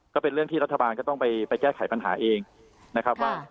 ก็เป็นเรื่องที่รัฐบาลก็ต้องไปแก้ไขปัญหาเองนะครับว่า